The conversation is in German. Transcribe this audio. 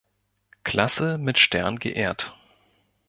Klasse mit Stern geehrt.